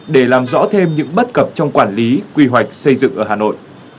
để làm rõ thêm những bất cập trong quản lý quy hoạch xây dựng ở hà nội